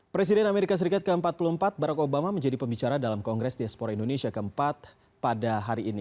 presiden amerika serikat ke empat puluh empat barack obama menjadi pembicara dalam kongres diaspora indonesia keempat pada hari ini